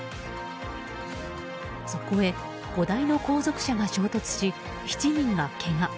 そこへ５台の後続車が衝突し７人がけが。